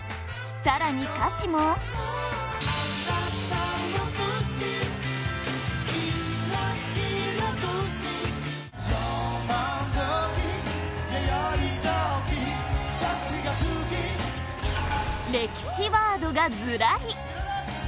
更に歌詞も歴史ワードがずらり！